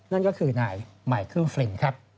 นั่นก็คือนายไมเคิลฟรินครับ